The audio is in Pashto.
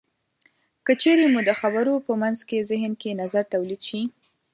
که چېرې مو د خبرو په منځ کې زهن کې نظر تولید شي.